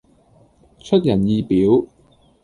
出人意表